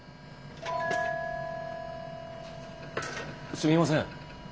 すみません。